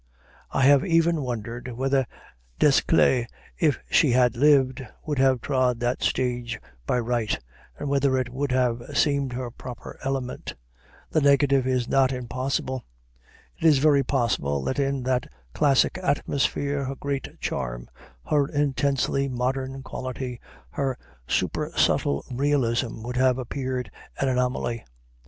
I have even wondered whether Desclée, if she had lived, would have trod that stage by right, and whether it would have seemed her proper element. The negative is not impossible. It is very possible that in that classic atmosphere her great charm her intensely modern quality, her super subtle realism would have appeared an anomaly.